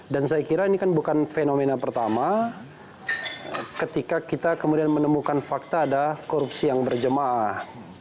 dan saya kira ini kan bukan fenomena pertama ketika kita kemudian menemukan fakta ada korupsi yang berjemah